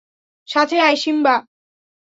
সাথে আয়, সিম্বা!